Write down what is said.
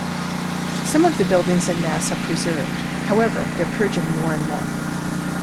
Some of the buildings and masts are preserved, however they're purging more and more.